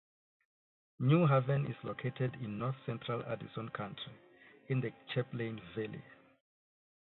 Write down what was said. New Haven is located in north-central Addison County, in the Champlain Valley.